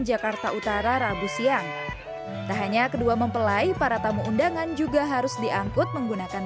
jakarta utara rabu siang tak hanya kedua mempelai para tamu undangan juga harus diangkut menggunakan